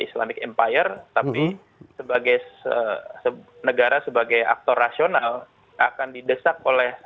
islamic empire tapi sebagai negara sebagai aktor rasional akan didesak oleh